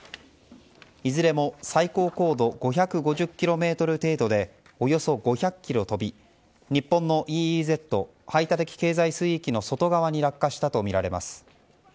いずれも最高高度５５０ｋｍ程度でおよそ５００ｋｍ飛び日本のＥＥＺ＝排他的経済水域の外側に落下したとみられます。